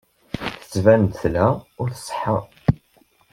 Tettban-d telha u tṣeḥḥa.